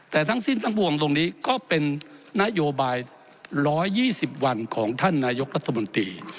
แต่ทั้งสิ้นทั้งปวงตรงนี้ก็เป็นนโยบาย๑๒๐วันของท่านนายกรัฐมนตรี